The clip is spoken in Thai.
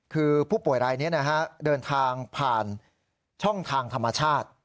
คือผู้ป่วยรายนี้นะฮะเดินทางผ่านช่องทางธรรมชาติ